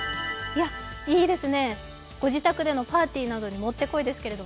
いいですね、ご自宅でのパーティーなどにもってこいですけど。